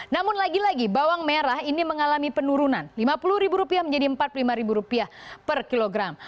namun lagi lagi bawang merah ini mengalami penurunan rp lima puluh menjadi rp empat puluh lima per kilogram